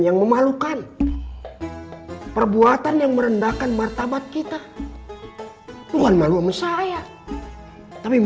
yang memalukan perbuatan yang merendahkan martabat kita tuhan malu sama saya tapi